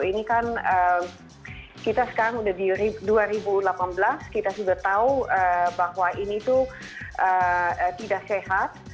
ini kan kita sekarang udah di dua ribu delapan belas kita sudah tahu bahwa ini tuh tidak sehat